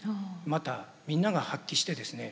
またみんなが発揮してですね